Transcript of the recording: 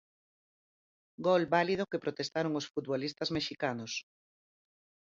Gol válido que protestaron os futbolistas mexicanos.